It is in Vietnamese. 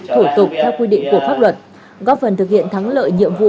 thủ tục theo quy định của pháp luật góp phần thực hiện thắng lợi nhiệm vụ